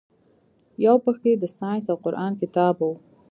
يو پکښې د ساينس او قران کتاب و.